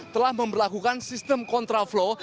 telah memperlakukan sistem kontraflow